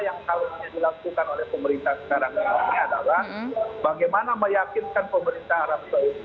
yang harusnya dilakukan oleh pemerintah sekarang ini adalah bagaimana meyakinkan pemerintah arab saudi